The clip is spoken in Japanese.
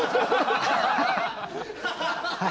はい。